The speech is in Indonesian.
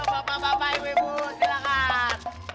bapak bapak ibu ibu silakan